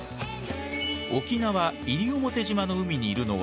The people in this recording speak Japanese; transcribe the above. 沖縄西表島の海にいるのは。